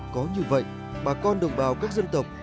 có như vậy bà con đồng bào các dân tộc